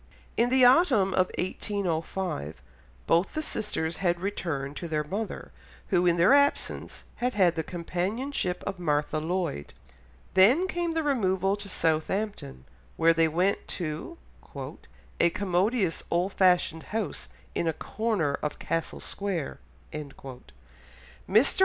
In the autumn of 1805 both the sisters had returned to their mother, who in their absence had had the companionship of Martha Lloyd. Then came the removal to Southampton, where they went to "a commodious old fashioned house in a corner of Castle Square." Mr.